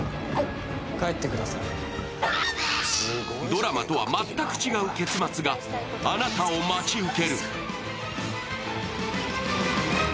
ドラマとは全く違う結末があなたを待ち受ける。